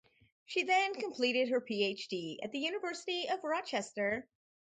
She then completed her PhD at the University of Rochester.